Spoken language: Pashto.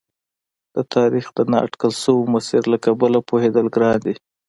د تاریخ د نا اټکل شوي مسیر له کبله پوهېدل ګران دي.